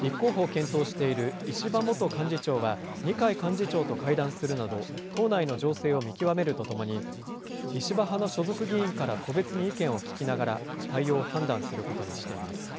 立候補を検討している石破元幹事長は、二階幹事長と会談するなど、党内の情勢を見極めるとともに、石破派の所属議員から個別に意見を聞きながら、対応を判断することにしています。